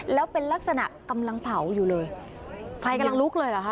แล้วเป็นลักษณะกำลังเผาอยู่เลยไฟกำลังลุกเลยเหรอคะ